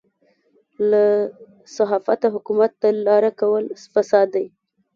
له صحافته حکومت ته لاره کول فساد دی.